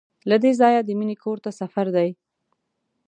له دې ځایه د مینې کور ته سفر دی.